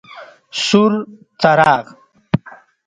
سور څراغ: